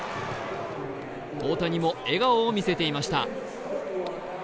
大谷も笑顔を見せていました。